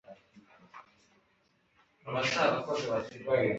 iyi nyubako in agatangaza. Zino nkuta zirabagirana,